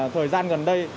thời gian gần đây